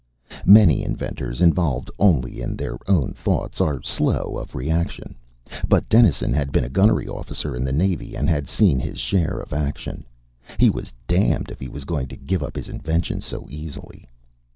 Many inventors, involved only in their own thoughts, are slow of reaction. But Dennison had been a gunnery officer in the Navy and had seen his share of action. He was damned if he was going to give up his invention so easily.